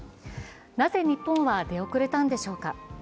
なぜ日本は出遅れたんでしょうか。